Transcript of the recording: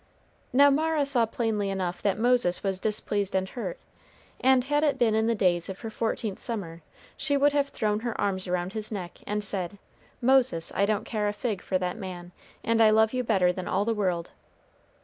Now Mara saw plainly enough that Moses was displeased and hurt, and had it been in the days of her fourteenth summer, she would have thrown her arms around his neck, and said, "Moses, I don't care a fig for that man, and I love you better than all the world."